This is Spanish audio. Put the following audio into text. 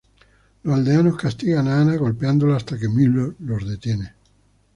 Los aldeanos castigan a Anna golpeándola hasta que Müller los detiene.